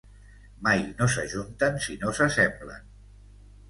Mai no s'ajunten si no s'assemblen.